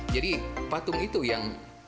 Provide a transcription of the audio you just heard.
jadi patung itu yang